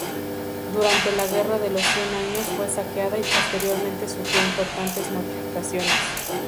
Durante la Guerra de los Cien Años fue saqueada y posteriormente sufrió importantes modificaciones.